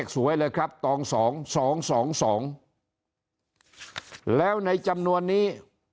สวยเลยครับตองสองสองแล้วในจำนวนนี้